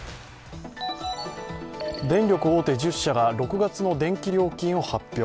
電力大手１０社が６月の電気料金を発表。